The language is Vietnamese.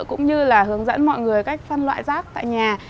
cũng như là hướng dẫn mọi người cách phân loại rác tại nhà